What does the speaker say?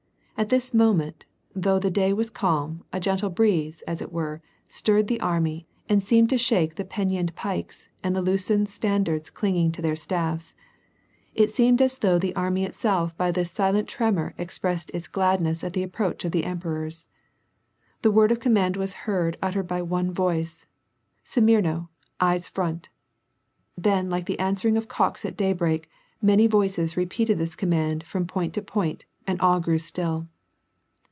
And at this moment, though the day was calm, a gentle breeze, as it were, stirred the army, and seemed to shake the pennoned pikes, and the loosened stand ards clinging to their staffs. It seemed as though the army itself by this slight tremor expressed its gladness at the approach of the emperors. The word of command was heard uttered by one voice, — stn^mo, eyes front ! Then like the an swering of cocks at daybreak, many voices repeated this com mand from point to point, and all grew still.